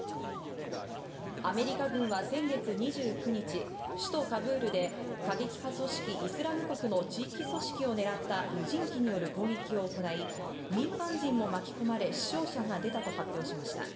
アメリカ軍は先月２９日、首都カブールで過激派組織イスラム国の地域組織を狙った無人機による攻撃を行い、民間人も巻き込まれ死傷者が出たと発表しました。